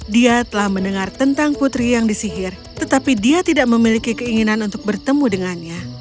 dia telah mendengar tentang putri yang disihir tetapi dia tidak memiliki keinginan untuk bertemu dengannya